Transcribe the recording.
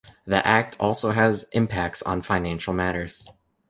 The act also has impacts on financial matters.